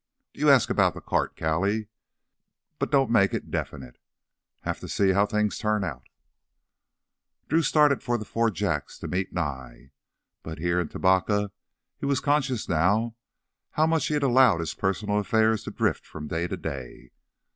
"You ask about the cart, Callie, but don't make it definite. Have to see how things turn out." Drew started for the Four Jacks to meet Nye. Back here in Tubacca he was conscious how much he had allowed his personal affairs to drift from day to day.